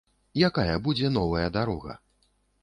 Якая будзе новая дарога?